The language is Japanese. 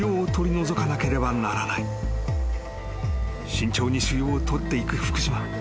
［慎重に腫瘍を取っていく福島］